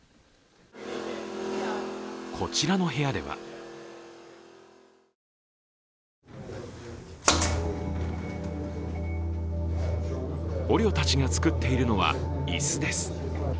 こちらの部屋では捕虜たちが作っているのは椅子です。